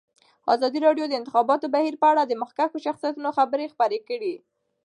ازادي راډیو د د انتخاباتو بهیر په اړه د مخکښو شخصیتونو خبرې خپرې کړي.